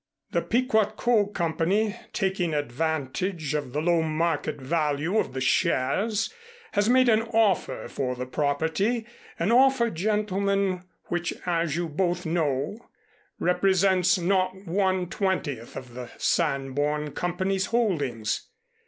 The Pequot Coal Company, taking advantage of the low market value of the shares, has made an offer for the property an offer, gentlemen, which as you both know, represents not one twentieth of the Sanborn Company's holdings."